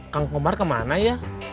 kang kobar kemana ya